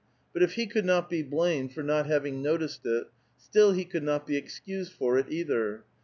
But if he could not be l>lamed for not having noticed it, still he could not be excused for it either.